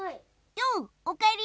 ようおかえり！